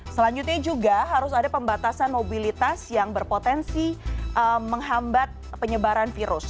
selanjutnya juga harus ada pembatasan mobilitas yang berpotensi menghambat penyebaran virus